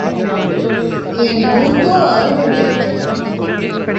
என் மூக்கோ அறுபட்டு விட்டது.